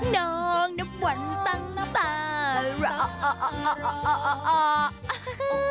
นองณวันตังนสตาโร้ว